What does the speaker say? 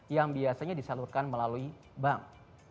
yang biasanya disalurkan melalui bank